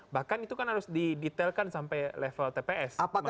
bahkan itu kan harus didetailkan sampai level tps